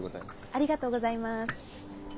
ありがとうございます。